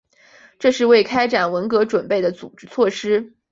这是为开展文革准备的组织措施。